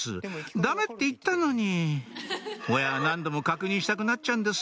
ダメって言ったのに親は何度も確認したくなっちゃうんです